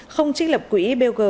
không chích lập quỹ blg